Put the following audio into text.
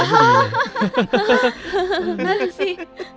นั่นแหละสิ